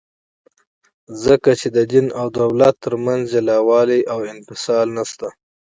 ځکه چي د دین او دولت ترمنځ جلاوالي او انفصال نسته.